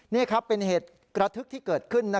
นี่ครับเป็นเหตุระทึกที่เกิดขึ้น